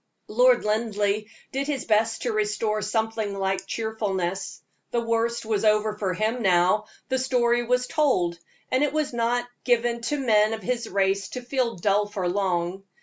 Lord Linleigh did his best to restore something like cheerfulness. The worst was over for him now; the story was told, and it was not given to men of his race to feel dull for long.